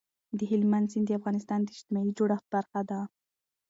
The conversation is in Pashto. هلمند سیند د افغانستان د اجتماعي جوړښت برخه ده.